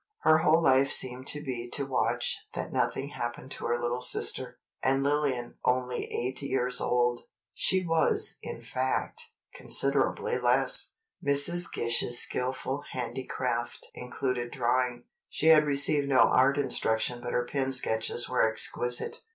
Her whole life seemed to be to watch that nothing happened to her little sister. And Lillian only eight years old." She was, in fact, considerably less. Mrs. Gish's skillful handicraft included drawing. She had received no art instruction but her pen sketches were exquisite.